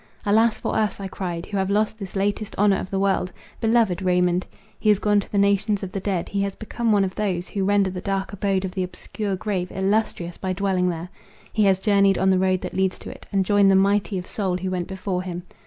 "Alas, for us," I cried, "who have lost this latest honour of the world! Beloved Raymond! He is gone to the nations of the dead; he has become one of those, who render the dark abode of the obscure grave illustrious by dwelling there. He has journied on the road that leads to it, and joined the mighty of soul who went before him.